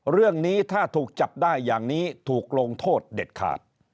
เรื่องนี้ถ้าถูกจับได้อย่างนี้ถูกลงโทษเด็ดขาด